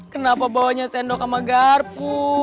kenapa bawanya sendok sama garpu